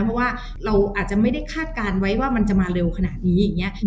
เพราะว่าเราอาจจะไม่ได้คาดการณ์ไว้ว่ามันจะมาเร็วขนาดนี้อย่างนี้